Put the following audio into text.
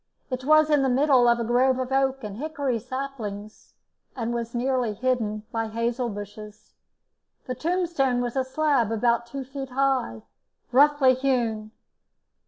It was in the middle of a grove of oak and hickory saplings, and was nearly hidden by hazel bushes. The tombstone was a slab about two feet high, roughly hewn.